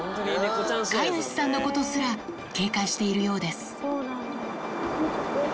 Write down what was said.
飼い主さんのことすら、警戒しているようです。